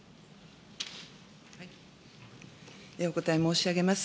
お答え申し上げます。